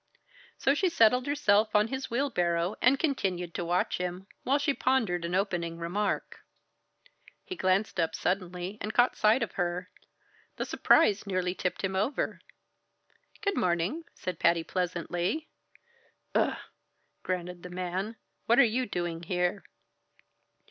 So she settled herself on his wheelbarrow and continued to watch him, while she pondered an opening remark. He glanced up suddenly and caught sight of her. The surprise nearly tipped him over. "Good morning!" said Patty pleasantly. "Ugh!" grunted the man. "What are you doing there?"